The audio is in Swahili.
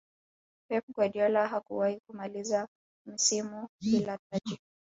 pep guardiola hakuwahi kumaliza msimu bila taji